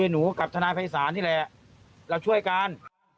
หนูกับทนายภัยศาลนี่แหละเราช่วยกัน